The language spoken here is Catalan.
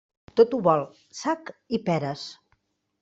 Tot ho vol, sac i peres.